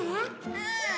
うん。